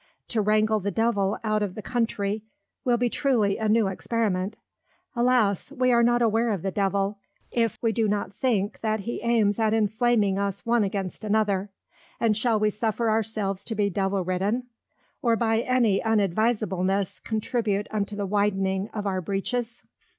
To wrangle the Devil out of the Country, will be truly a New Experiment: Alas! we are not aware of the Devil, if we do not think, that he aims at inflaming us one against another; and shall we suffer our selves to be Devil ridden? or by any unadvisableness contribute unto the Widening of our Breaches?